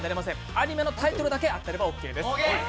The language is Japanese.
アニメのタイトルだけ合ってればオッケーです。